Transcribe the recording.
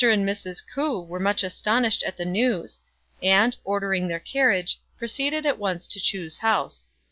and Mrs. K'ou were much astonished at the news, and, ordering their carriage, proceeded at once to Chu's house.